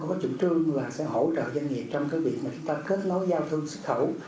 sở công thương có chủ trương là sẽ hỗ trợ doanh nghiệp trong các việc mà chúng ta kết nối giao thương xuất khẩu